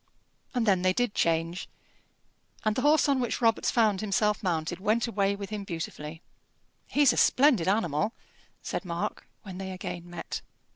And then they did change, and the horse on which Robarts found himself mounted went away with him beautifully. "He's a splendid animal," said Mark, when they again met.